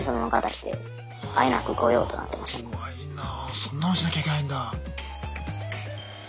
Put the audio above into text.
そんなのしなきゃいけないんだ。